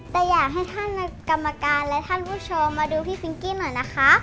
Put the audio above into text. แต่อยากให้ท่านกรรมการและท่านผู้ชมมาดูพี่ฟิงกี้หน่อยนะคะ